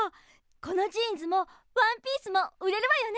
このジーンズもワンピースも売れるわよね。